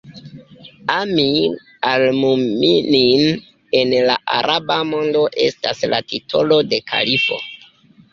Amir al-Mu'minin en la araba mondo estas la titolo de kalifo.